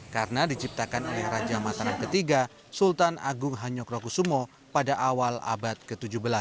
karena diciptakan oleh raja mataram iii sultan agung hanyok rokusumo pada awal abad ke tujuh belas